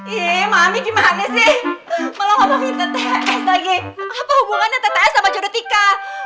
iiih mami gimana sih malah ngomongin tts lagi apa hubungannya tts sama jodoh tika